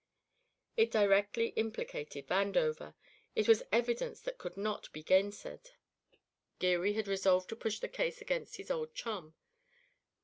It directly implicated Vandover it was evidence that could not be gainsaid. Geary had resolved to push the case against his old chum.